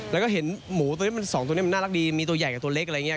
แล้วก็เห็นหมูตัวนี้มันสองตัวนี้มันน่ารักดีมีตัวใหญ่กับตัวเล็กอะไรอย่างนี้